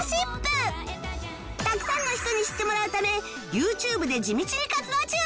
たくさんの人に知ってもらうため ＹｏｕＴｕｂｅ で地道に活動中